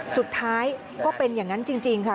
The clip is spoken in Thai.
สุดท้ายก็เป็นอย่างนั้นจริงค่ะ